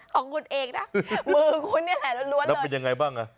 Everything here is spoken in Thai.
ของคุณเองนะมือคุณนี่แหละล้วนแล้วเป็นยังไงบ้างอ่ะ